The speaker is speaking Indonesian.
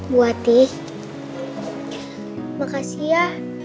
buati makasih ya